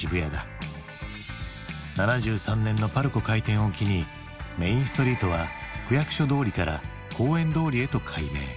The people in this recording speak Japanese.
７３年のパルコ開店を機にメインストリートは区役所通りから公園通りへと改名。